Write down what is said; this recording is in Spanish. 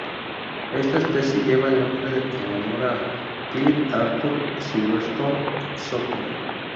Esta especie lleva el nombre en honor a Philip Arthur Silverstone-Sopkin.